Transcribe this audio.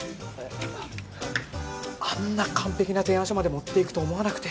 あんな完璧な提案書まで持っていくと思わなくて。